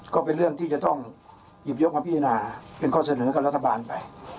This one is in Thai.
ก็เป็นเรื่องที่จะต้องหยิบยกมาพิจารณาเป็นข้อเสนอกับรัฐบาลไป